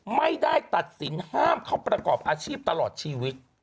ไม่ได้ตัดสินห้ามเขาประกอบอาชีพตลอดชีวิต